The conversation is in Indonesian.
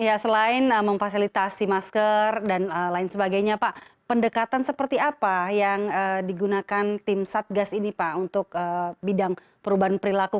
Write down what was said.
ya selain memfasilitasi masker dan lain sebagainya pak pendekatan seperti apa yang digunakan tim satgas ini pak untuk bidang perubahan perilaku